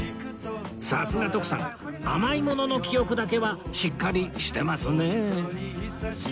さすが徳さん甘いものの記憶だけはしっかりしてますね